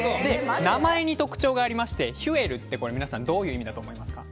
名前に特徴がありましてＨｕｅｌって皆さんどういう意味だと思いますか？